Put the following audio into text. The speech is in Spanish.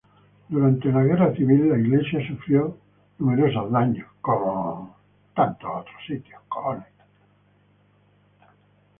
Durante la guerra civil la iglesia sufrió numerosos daños.